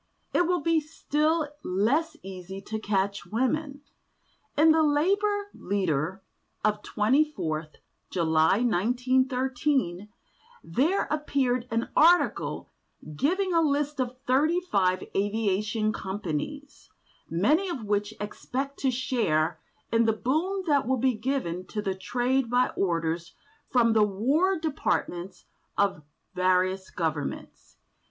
It will be still less easy to catch women. In the Labour Leader of 24th July 1913 there appeared an article giving a list of thirty five aviation companies, many of which expect to share in the boom that will be given to the trade by orders from the war departments of various governments.